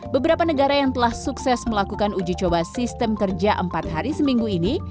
beberapa negara yang telah sukses melakukan uji coba sistem kerja empat hari seminggu ini